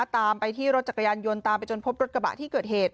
ตามไปที่รถจักรยานยนต์ตามไปจนพบรถกระบะที่เกิดเหตุ